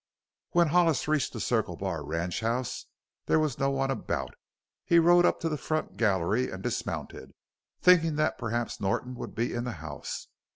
When Hollis reached the Circle Bar ranchhouse there was no one about. He rode up to the front gallery and dismounted, thinking that perhaps Norton would be in the house.